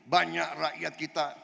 banyak rakyat kita